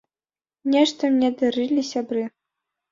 Нешта мне дарылі сябры.